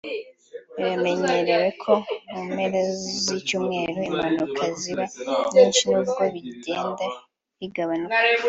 Biramenyerewe ko mu mpera z’icyumweru impanuka ziba nyinshi (N’ubwo bigenda bigabanuka)